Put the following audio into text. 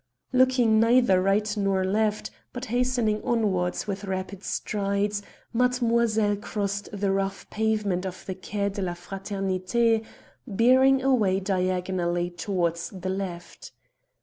Looking neither right nor left, but hastening onwards with rapid strides, mademoiselle crossed the rough pavement of the Quai de la Fraternité, bearing away diagonally towards the left.